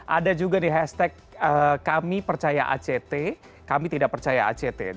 ada juga di hashtag kami percaya act kami tidak percaya act